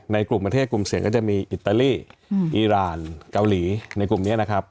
กลุ่มประเทศกลุ่มเสี่ยงก็จะมีอิตาลีอีรานเกาหลีในกลุ่มนี้นะครับ